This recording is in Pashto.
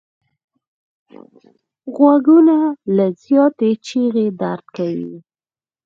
غوږونه له زیاتې چیغې درد کوي